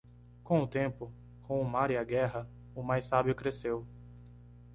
Com o tempo, com o mar e a guerra, o mais sábio cresceu.